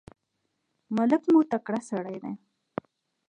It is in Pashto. ملک مو تکړه سړی دی.